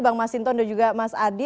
bang mas sinton dan juga mas adi